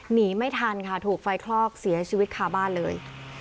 หนีไม่ทันค่ะถูกไฟคลอกเสียชีวิตคาบ้านเลย